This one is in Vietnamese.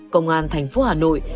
công an thành phố hà nội